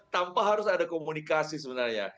tanpa harus ada komunikasi sebenarnya